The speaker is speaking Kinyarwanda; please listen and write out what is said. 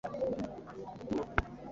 Mu biru haba imbeho nyinshi ikabije